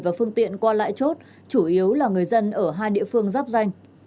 và phương tiện qua lại chốt chủ yếu là người dân ở hai địa phương giáp danh